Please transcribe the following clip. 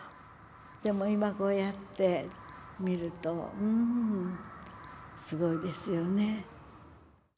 でも今こうやって見るとうんすごいですよね。